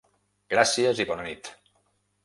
Gràcies i bona nit!